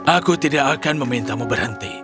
aku tidak akan memintamu berhenti